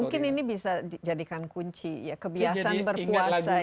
mungkin ini bisa dijadikan kunci ya kebiasaan berpuasa